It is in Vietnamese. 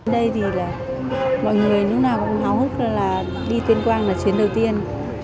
đây thì là mọi người lúc nào cũng háo hức ra là đi tuyên quang là chuyến đầu tiên